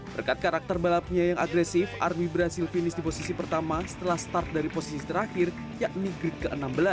berkat karakter balapnya yang agresif ary berhasil finish di posisi pertama setelah start dari posisi terakhir yakni grid ke enam belas